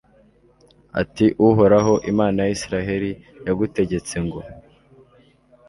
ati uhoraho, imana ya israheli, yagutegetse ngo